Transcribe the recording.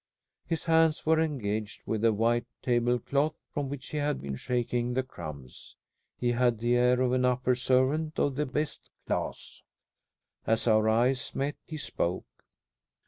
His hands were engaged with a white tablecloth, from which he had been shaking the crumbs. He had the air of an upper servant of the best class. As our eyes met he spoke.